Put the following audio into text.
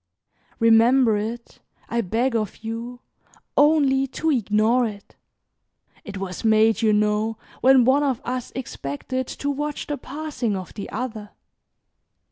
Remember it, I beg of you, only to ignore it. It was made, you know, when one of us expected to watch the passing of the other.